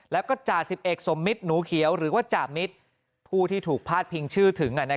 แล้วก็จ่าสิบเอกสมมิตรหนูเขียวหรือว่าจ่ามิตรผู้ที่ถูกพาดพิงชื่อถึง